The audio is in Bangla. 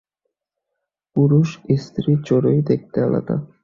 পুরুষ-স্ত্রী চড়ুই দেখতে আলাদা।